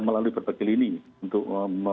melalui berbagai lini untuk